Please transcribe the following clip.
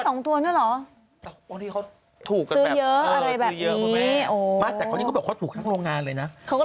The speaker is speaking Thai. โอ้โฮมัดแต่ที่นี่ก็เป็นแบบซื้อเยอะอะไรแบบนี้โอ้โฮ